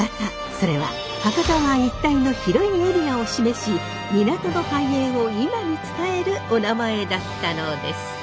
それは博多湾一帯の広いエリアを示し港の繁栄を今に伝えるお名前だったのです。